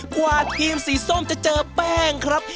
กว่าทีมสีส้มจะเจอแป้งครับ